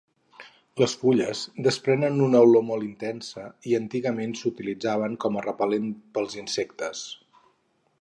Les fulles desprenen una olor molt intensa i antigament s'utilitzaven com a repel·lent pels insectes.